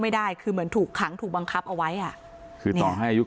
ไม่ได้คือเหมือนถูกขังถูกบังคับเอาไว้อ่ะคือต่อให้อายุ